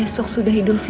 besok sudah idul fitri